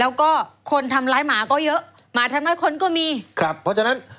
แล้วก็คนทำร้ายหมาก็เยอะหมาทำร้ายคนก็มีครับเพราะฉะนั้น